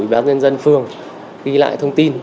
ủy ban dân dân phường ghi lại thông tin